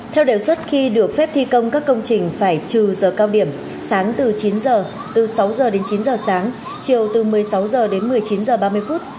theo đề xuất khi được phép thi công các công trình phải trừ giờ cao điểm sáng từ chín giờ từ sáu h đến chín giờ sáng chiều từ một mươi sáu h đến một mươi chín h ba mươi phút